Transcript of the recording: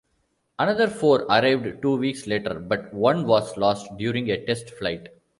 Another four arrived two weeks later, but one was lost during a test-flight.